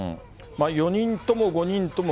４人とも５人とも、